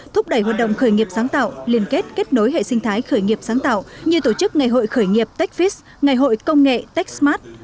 thúc đẩy hoạt động khởi nghiệp sáng tạo liên kết kết nối hệ sinh thái khởi nghiệp sáng tạo như tổ chức ngày hội khởi nghiệp techfis ngày hội công nghệ techsmart